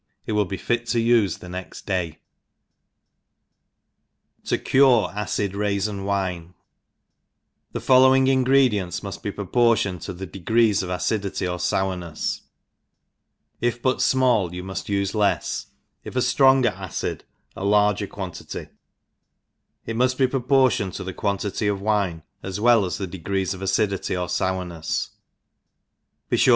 ~ It will be B^ to ufe the next day* ^$ cure acid Raisin Wins, THE following ingredients muft be propor« tioned to the degrees of acidity or fourneis^ if but fmall, you muft ufe lefs, if a ftronger acid, a larger quantity, it mud be proportioned to^tke quantity of wine, as well as the degree of acidity Y 4 or 328 THE EXPERIENCED or fourncTss be fure tha.